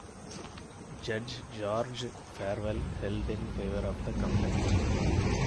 Judge George Farwell held in favour of the company.